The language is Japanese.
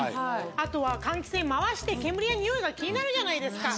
あとは換気扇回して煙やにおいが気になるじゃないですか。